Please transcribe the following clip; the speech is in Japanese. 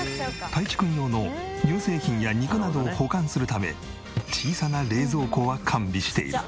たいちくん用の乳製品や肉などを保管するため小さな冷蔵庫は完備している。